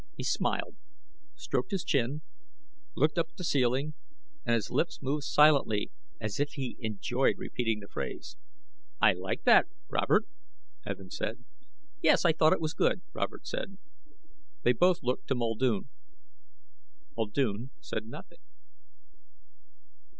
He smiled, stroked his chin, looked up at the ceiling and his lips moved silently as if he enjoyed repeating the phrase. "I like that, Robert," Evin said. "Yes, I thought it was good," Robert said. They both looked to Muldoon. Muldoon said nothing.